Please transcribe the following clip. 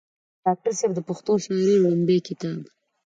ډاکټر صېب د پښتو شاعرۍ وړومبے کتاب